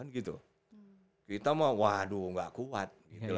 kita mah waduh nggak kuat